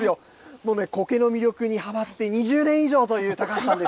もうね、コケの魅力にはまって２０年以上という高橋さんです。